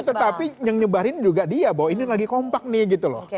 tetapi yang nyebarin juga dia bahwa ini lagi kompak nih gitu loh